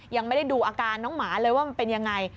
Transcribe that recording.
ยังไม่ได้ดูอาการน้องหมาเลยว่ามันเป็นยังไง